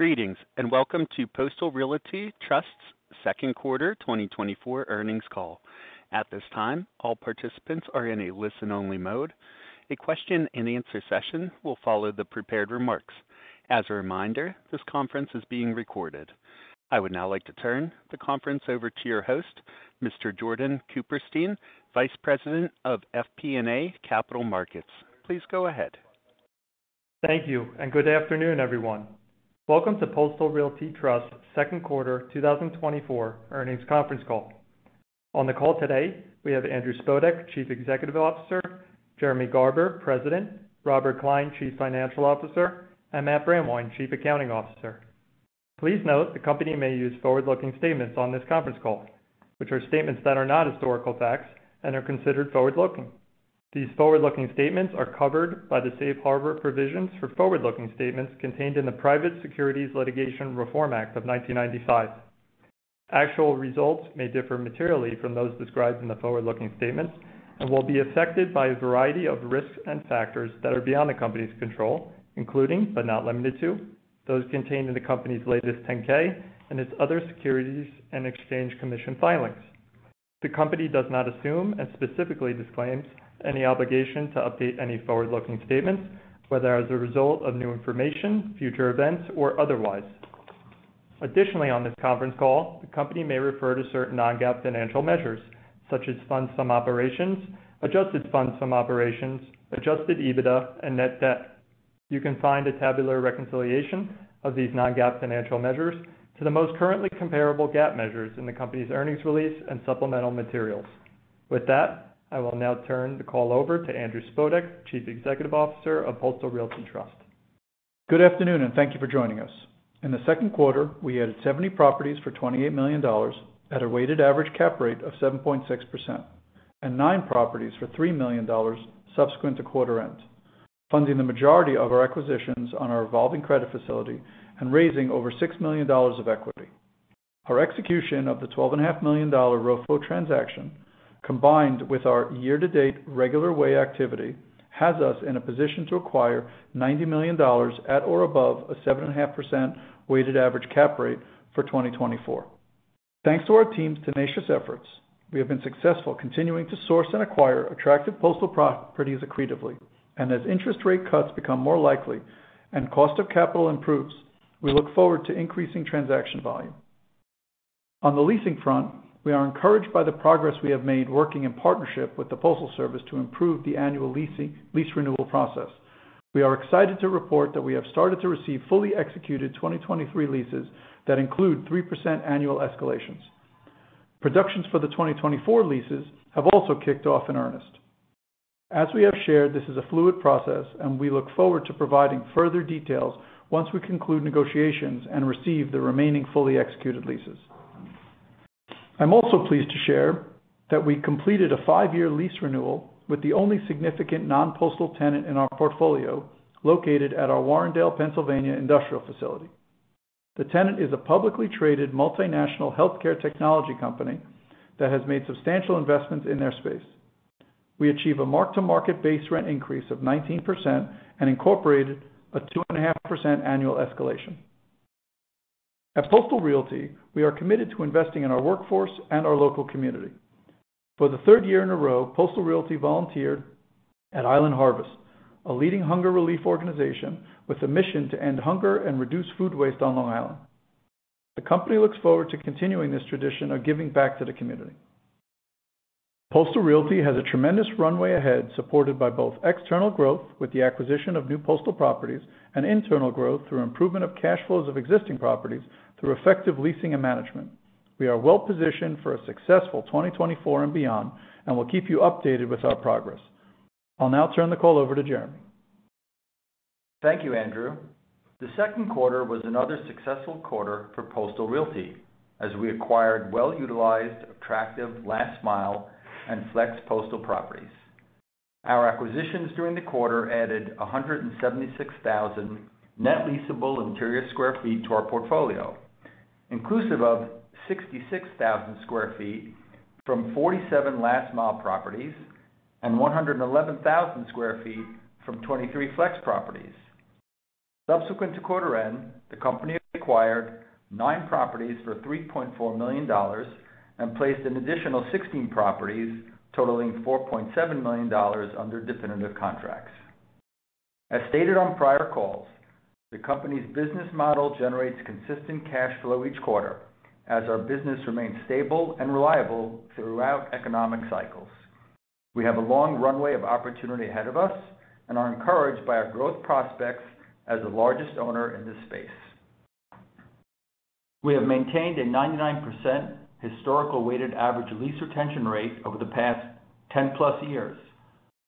...Greetings, and welcome to Postal Realty Trust's second quarter 2024 earnings call. At this time, all participants are in a listen-only mode. A question-and-answer session will follow the prepared remarks. As a reminder, this conference is being recorded. I would now like to turn the conference over to your host, Mr. Jordan Kuperstein, Vice President of FP&A Capital Markets. Please go ahead. Thank you, and good afternoon, everyone. Welcome to Postal Realty Trust's second quarter 2024 earnings conference call. On the call today, we have Andrew Spodek, Chief Executive Officer, Jeremy Garber, President, Robert Klein, Chief Financial Officer, and Matt Brandwein, Chief Accounting Officer. Please note, the company may use forward-looking statements on this conference call, which are statements that are not historical facts and are considered forward-looking. These forward-looking statements are covered by the safe harbor provisions for forward-looking statements contained in the Private Securities Litigation Reform Act of 1995. Actual results may differ materially from those described in the forward-looking statements and will be affected by a variety of risks and factors that are beyond the company's control, including, but not limited to, those contained in the company's latest 10-K and its other Securities and Exchange Commission filings. The company does not assume, and specifically disclaims, any obligation to update any forward-looking statements, whether as a result of new information, future events, or otherwise. Additionally, on this conference call, the company may refer to certain non-GAAP financial measures, such as Funds from Operations, Adjusted Funds from Operations, Adjusted EBITDA, and Net Debt. You can find a tabular reconciliation of these non-GAAP financial measures to the most currently comparable GAAP measures in the company's earnings release and supplemental materials. With that, I will now turn the call over to Andrew Spodek, Chief Executive Officer of Postal Realty Trust. Good afternoon, and thank you for joining us. In the second quarter, we added 70 properties for $28 million at a weighted average cap rate of 7.6%, and 9 properties for $3 million subsequent to quarter end, funding the majority of our acquisitions on our revolving credit facility and raising over $6 million of equity. Our execution of the $12.5 million ROFO transaction, combined with our year-to-date regular way activity, has us in a position to acquire $90 million at or above a 7.5% weighted average cap rate for 2024. Thanks to our team's tenacious efforts, we have been successful continuing to source and acquire attractive postal properties accretively. And as interest rate cuts become more likely and cost of capital improves, we look forward to increasing transaction volume. On the leasing front, we are encouraged by the progress we have made working in partnership with the Postal Service to improve the annual lease renewal process. We are excited to report that we have started to receive fully executed 2023 leases that include 3% annual escalations. Productions for the 2024 leases have also kicked off in earnest. As we have shared, this is a fluid process, and we look forward to providing further details once we conclude negotiations and receive the remaining fully executed leases. I'm also pleased to share that we completed a 5-year lease renewal with the only significant non-postal tenant in our portfolio, located at our Warrendale, Pennsylvania, industrial facility. The tenant is a publicly traded multinational healthcare technology company that has made substantial investments in their space. We achieve a mark-to-market base rent increase of 19% and incorporated a 2.5% annual escalation. At Postal Realty, we are committed to investing in our workforce and our local community. For the third year in a row, Postal Realty volunteered at Island Harvest, a leading hunger relief organization with a mission to end hunger and reduce food waste on Long Island. The company looks forward to continuing this tradition of giving back to the community. Postal Realty has a tremendous runway ahead, supported by both external growth with the acquisition of new postal properties, and internal growth through improvement of cash flows of existing properties through effective leasing and management. We are well positioned for a successful 2024 and beyond, and we'll keep you updated with our progress. I'll now turn the call over to Jeremy. Thank you, Andrew. The second quarter was another successful quarter for Postal Realty, as we acquired well-utilized, attractive last mile and flex postal properties. Our acquisitions during the quarter added 176,000 net leasable interior sq ft to our portfolio, inclusive of 66,000 sq ft from 47 last mile properties and 111,000 sq ft from 23 flex properties. Subsequent to quarter end, the company acquired 9 properties for $3.4 million and placed an additional 16 properties, totaling $4.7 million, under definitive contracts. As stated on prior calls, the company's business model generates consistent cash flow each quarter, as our business remains stable and reliable throughout economic cycles. We have a long runway of opportunity ahead of us and are encouraged by our growth prospects as the largest owner in this space. We have maintained a 99% historical weighted average lease retention rate over the past 10+ years,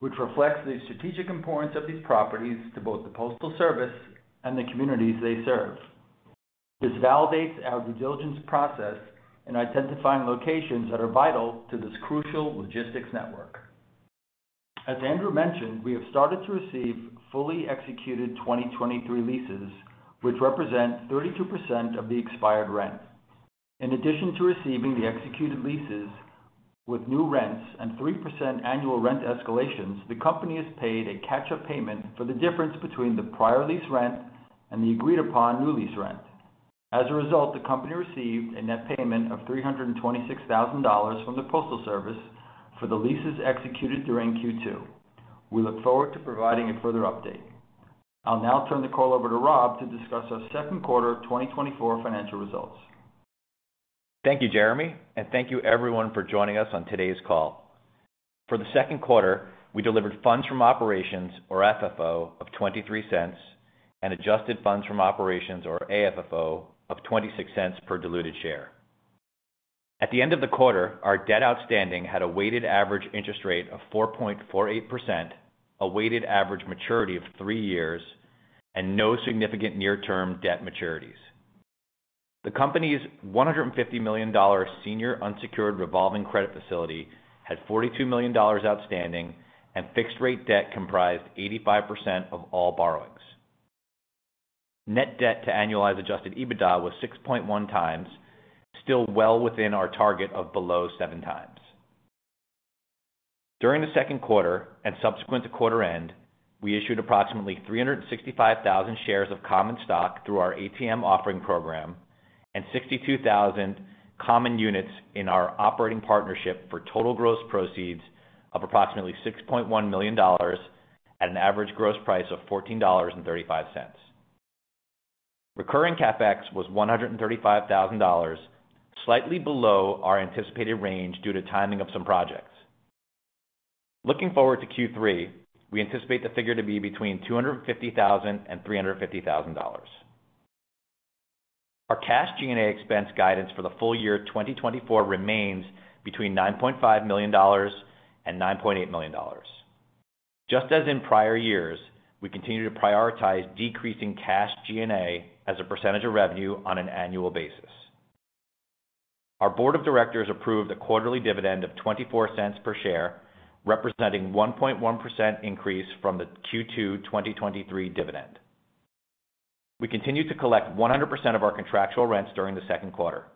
which reflects the strategic importance of these properties to both the Postal Service and the communities they serve. This validates our due diligence process in identifying locations that are vital to this crucial logistics network. As Andrew mentioned, we have started to receive fully executed 2023 leases, which represent 32% of the expired rent.... In addition to receiving the executed leases with new rents and 3% annual rent escalations, the company has paid a catch-up payment for the difference between the prior lease rent and the agreed-upon new lease rent. As a result, the company received a net payment of $326,000 from the Postal Service for the leases executed during Q2. We look forward to providing a further update. I'll now turn the call over to Rob to discuss our second quarter 2024 financial results. Thank you, Jeremy, and thank you everyone for joining us on today's call. For the second quarter, we delivered funds from operations, or FFO, of $0.23 and adjusted funds from operations or AFFO, of $0.26 per diluted share. At the end of the quarter, our debt outstanding had a weighted average interest rate of 4.48%, a weighted average maturity of 3 years, and no significant near-term debt maturities. The company's $150 million senior unsecured revolving credit facility had $42 million outstanding, and fixed rate debt comprised 85% of all borrowings. Net debt to annualized adjusted EBITDA was 6.1x, still well within our target of below 7x. During the second quarter and subsequent to quarter end, we issued approximately 365,000 shares of common stock through our ATM Offering Program, and 62,000 common units in our operating partnership for total gross proceeds of approximately $6.1 million at an average gross price of $14.35. Recurring CapEx was $135,000, slightly below our anticipated range due to timing of some projects. Looking forward to Q3, we anticipate the figure to be between $250,000 and $350,000. Our cash G&A expense guidance for the full year 2024 remains between $9.5 million and $9.8 million. Just as in prior years, we continue to prioritize decreasing cash G&A as a percentage of revenue on an annual basis. Our board of directors approved a quarterly dividend of $0.24 per share, representing 1.1% increase from the Q2 2023 dividend. We continued to collect 100% of our contractual rents during the second quarter.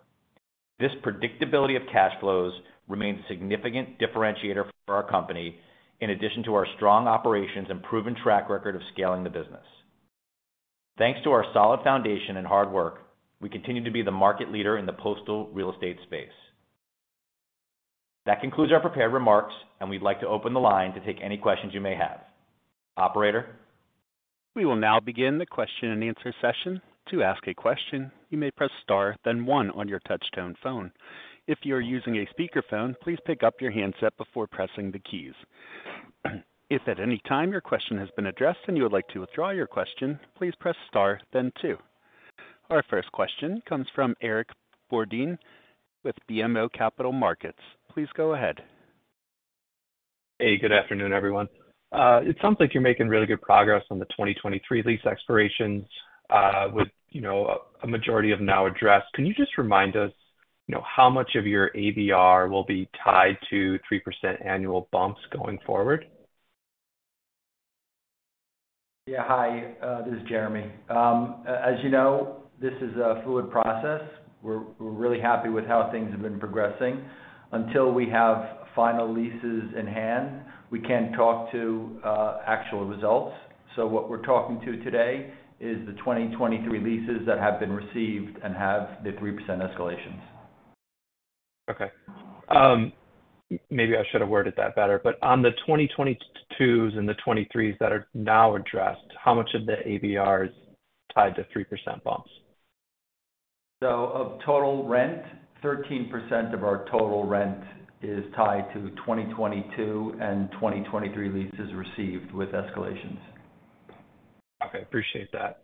This predictability of cash flows remains a significant differentiator for our company, in addition to our strong operations and proven track record of scaling the business. Thanks to our solid foundation and hard work, we continue to be the market leader in the postal real estate space. That concludes our prepared remarks, and we'd like to open the line to take any questions you may have. Operator? We will now begin the question-and-answer session. To ask a question, you may press Star, then one on your touchtone phone. If you are using a speakerphone, please pick up your handset before pressing the keys. If at any time your question has been addressed and you would like to withdraw your question, please press Star then two. Our first question comes from Eric Borden with BMO Capital Markets. Please go ahead. Hey, good afternoon, everyone. It sounds like you're making really good progress on the 2023 lease expirations, with, you know, a majority of them now addressed. Can you just remind us, you know, how much of your ABR will be tied to 3% annual bumps going forward? Yeah. Hi, this is Jeremy. As you know, this is a fluid process. We're really happy with how things have been progressing. Until we have final leases in hand, we can't talk to actual results. So what we're talking to today is the 2023 leases that have been received and have the 3% escalations. Okay. Maybe I should have worded that better, but on the 2022s and the 2023s that are now addressed, how much of the ABR is tied to 3% bumps? So of total rent, 13% of our total rent is tied to 2022 and 2023 leases received with escalations. Okay. Appreciate that.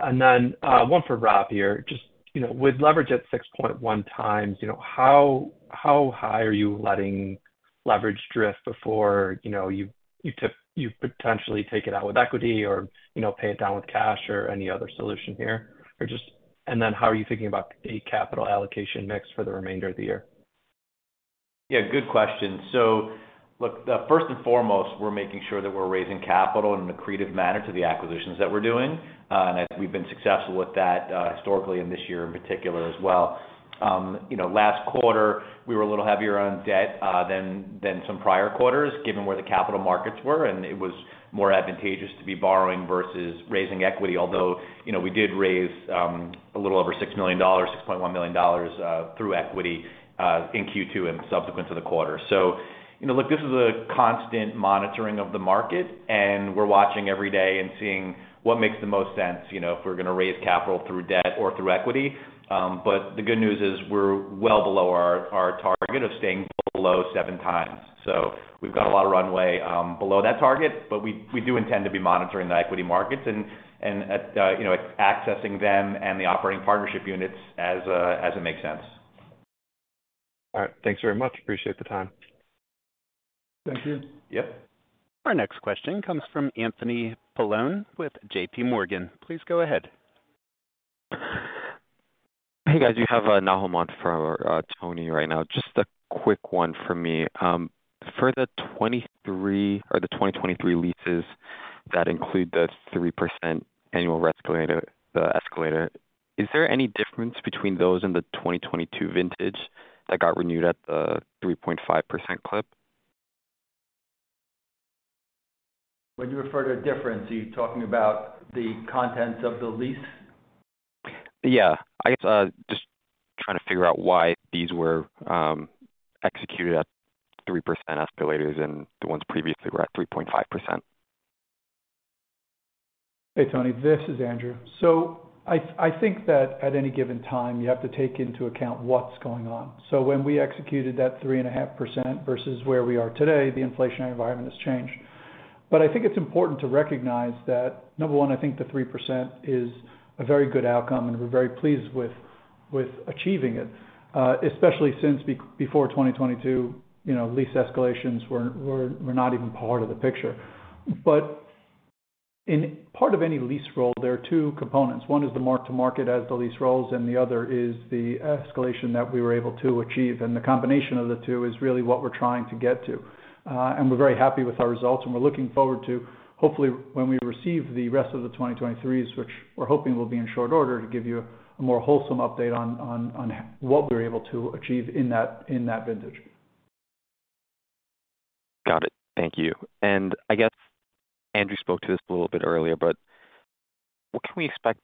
Then, one for Rob here. Just, you know, with leverage at 6.1x, you know, how high are you letting leverage drift before, you know, you potentially take it out with equity or, you know, pay it down with cash or any other solution here? Or just... And then how are you thinking about a capital allocation mix for the remainder of the year? Yeah, good question. So look, first and foremost, we're making sure that we're raising capital in an accretive manner to the acquisitions that we're doing, and I think we've been successful with that, historically, and this year in particular as well. You know, last quarter, we were a little heavier on debt, than some prior quarters, given where the capital markets were, and it was more advantageous to be borrowing versus raising equity. Although, you know, we did raise, a little over $6 million, $6.1 million, through equity, in Q2 and subsequent to the quarter. So, you know, look, this is a constant monitoring of the market, and we're watching every day and seeing what makes the most sense, you know, if we're gonna raise capital through debt or through equity. But the good news is we're well below our, our target of staying below 7x. So we've got a lot of runway, below that target, but we, we do intend to be monitoring the equity markets and, and at, you know, accessing them and the operating partnership units as, as it makes sense. All right. Thanks very much. Appreciate the time. Thank you. Yep. Our next question comes from Anthony Paolone with J.P. Morgan. Please go ahead. Hey, guys, you have Nahom on for Anthony right now. Just a quick one for me. For the 23 or the 2023 leases that include the 3% annual escalator, the escalator, is there any difference between those and the 2022 vintage that got renewed at the 3.5% clip? When you refer to a difference, are you talking about the contents of the lease? Yeah, I guess, just trying to figure out why these were executed at 3% escalators, and the ones previously were at 3.5%. Hey, Tony, this is Andrew. So I think that at any given time, you have to take into account what's going on. So when we executed that 3.5% versus where we are today, the inflationary environment has changed. But I think it's important to recognize that, number one, I think the 3% is a very good outcome, and we're very pleased with achieving it, especially since before 2022, you know, lease escalations were not even part of the picture. But in part of any lease roll, there are two components. One is the mark to market as the lease rolls, and the other is the escalation that we were able to achieve, and the combination of the two is really what we're trying to get to. We're very happy with our results, and we're looking forward to, hopefully, when we receive the rest of the 2023s, which we're hoping will be in short order, to give you a more wholesome update on what we're able to achieve in that vintage. Got it. Thank you. And I guess Andrew spoke to this a little bit earlier, but what can we expect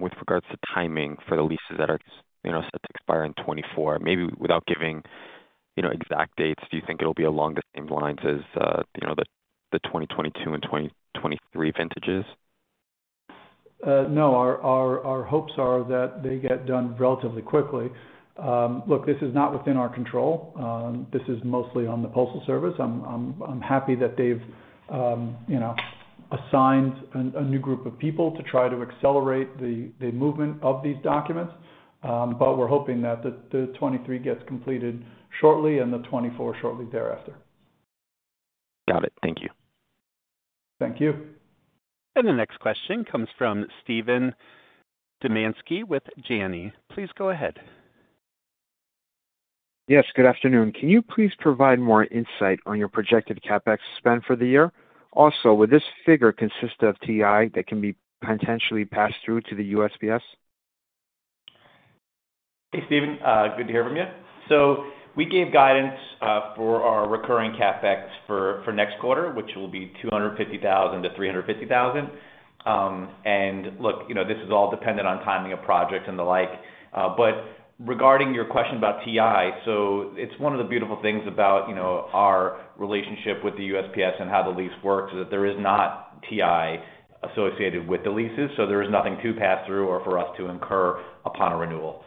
with regards to timing for the leases that are, you know, set to expire in 2024? Maybe without giving, you know, exact dates, do you think it'll be along the same lines as, you know, the 2022 and 2023 vintages? No. Our hopes are that they get done relatively quickly. Look, this is not within our control. This is mostly on the Postal Service. I'm happy that they've, you know, assigned a new group of people to try to accelerate the movement of these documents. But we're hoping that the 2023 gets completed shortly and the 2024 shortly thereafter. Got it. Thank you. Thank you. The next question comes from Steven Domanski with Janney. Please go ahead. Yes, good afternoon. Can you please provide more insight on your projected CapEx spend for the year? Also, would this figure consist of TI that can be potentially passed through to the USPS? Hey, Steven, good to hear from you. So we gave guidance for our recurring CapEx for next quarter, which will be $250,000-$350,000. And look, you know, this is all dependent on timing of projects and the like. But regarding your question about TI, so it's one of the beautiful things about, you know, our relationship with the USPS and how the lease works, is that there is not TI associated with the leases, so there is nothing to pass through or for us to incur upon a renewal.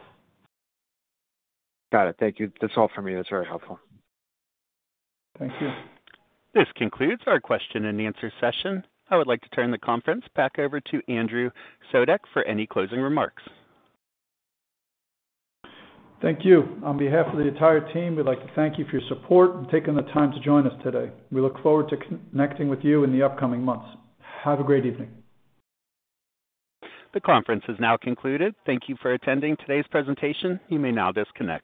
Got it. Thank you. That's all for me. That's very helpful. Thank you. This concludes our question and answer session. I would like to turn the conference back over to Andrew Spodek for any closing remarks. Thank you. On behalf of the entire team, we'd like to thank you for your support and taking the time to join us today. We look forward to connecting with you in the upcoming months. Have a great evening. The conference is now concluded. Thank you for attending today's presentation. You may now disconnect.